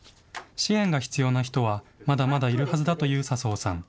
支援が必要な人はまだまだいるはずだという笹生さん。